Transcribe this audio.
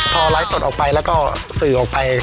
พอไลฟ์สดออกไปแล้วก็สื่อออกไป